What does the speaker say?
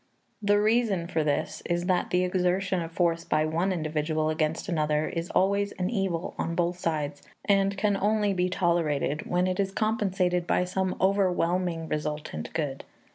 The reason for this is that the exertion of force by one individual against another is always an evil on both sides, and can only be tolerated when it is compensated by some overwhelming resultant good.